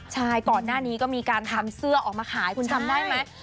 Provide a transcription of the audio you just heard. ใช่ก่อนหน้านี้ก็มีการทำเสื้อออกมาขายคุณจำได้ไหม